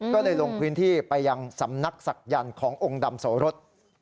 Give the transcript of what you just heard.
ก็เลยลงพื้นที่ไปยังสำนักศักยันต์ขององค์ดำโสรส